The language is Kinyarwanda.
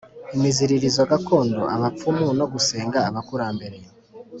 imiziririzo gakondo, ubupfumu no gusenga abakurambere